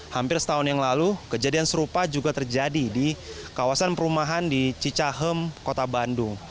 hampir setahun yang lalu kejadian serupa juga terjadi di kawasan perumahan di cicahem kota bandung